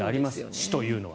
死というのは。